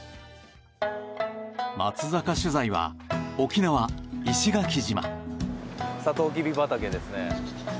松坂取材は沖縄・石垣島。